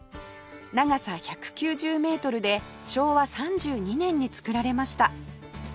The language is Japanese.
長さ１９０メートルで昭和３２年に造られました